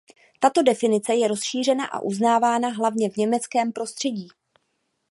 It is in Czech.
Tato definice je rozšířena a uznávána hlavně v německém prostředí.